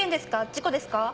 事故ですか？